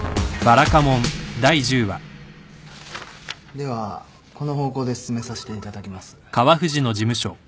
ではこの方向で進めさせていただきます。